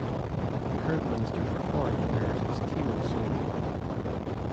The current Minister for Foreign Affairs is Timo Soini.